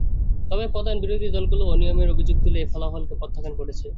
তবে প্রধান বিরোধী দলগুলো অনিয়মের অভিযোগ তুলে এ ফলাফলকে প্রত্যাখ্যান করেছে।